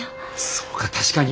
そうか確かに。